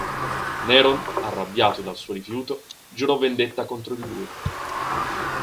Neron, arrabbiato dal suo rifiuto, giurò vendetta contro di lui.